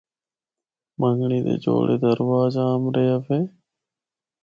منگنڑی دے جوڑے دا رواج عا رہیا وے۔